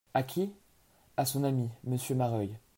A qui ? A son ami, Monsieur Mareuil.